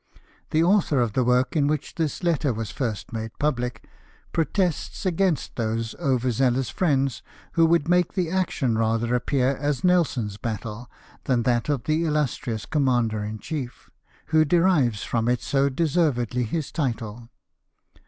The author of the work in which this letter was first made public protests against those over zealous friends "who would make the action rather apjDear as Nelson's battle than that of the illustrious commander in chief, who derives from it so deservedly his title.